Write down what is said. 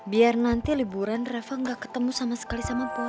biar nanti liburan rafa gak ketemu sama sekali sama puan